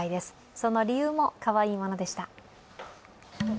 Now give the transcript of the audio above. その理由もかわいいものでした。